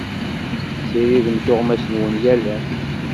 Tessiridem tuɣmas-nwen yal ass.